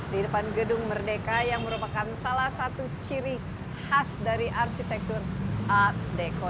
di depan gedung merdeka yang merupakan salah satu ciri khas dari arsitektur art deco